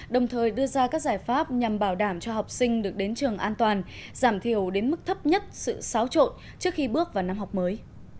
đồng thời đưa ra các giải pháp nhằm bảo đảm cho học sinh được đến trường an toàn giảm thiểu đến mức thấp nhất sự xáo trộn trước khi bước vào năm học mới